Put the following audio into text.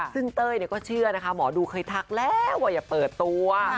ซึ่งเต้ยก็เชื่อนะคะหมอดูเคยทักแล้วว่าอย่าเปิดตัว